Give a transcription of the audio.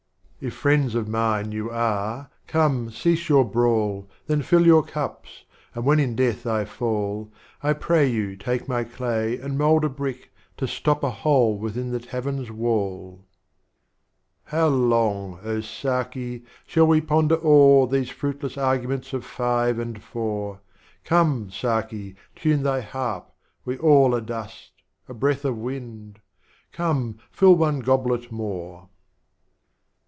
38 Sirop/u'.t of Omar Khayyam. IV. If Friends of mine you are, come cease your l)rawl, Then fill your Cups, and when in Death I fall, I pray you take my Clay and mould a Brick, To stop a hole within the Tavern's Wall." V. How long, oh, Sdki, shall we ponder o'er These Fruitless Arguments of Five and Four;" Come, Sdki, tune Thy Harp, we all are Dust, A Breath of Wind,— Come, fill one Goblet more.